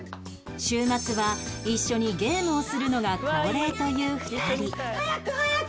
週末は一緒にゲームをするのが恒例という２人早く早く！